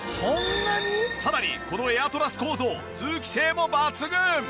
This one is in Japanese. さらにこのエアトラス構造通気性も抜群！